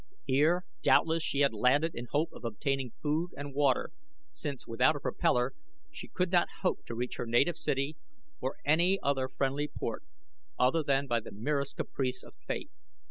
Here, doubtless, she had landed in hope of obtaining food and water since, without a propellor, she could not hope to reach her native city, or any other friendly port, other than by the merest caprice of Fate.